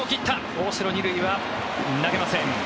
大城、２塁は投げません。